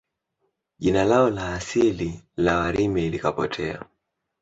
Jina lao la asili la Warimi likapotea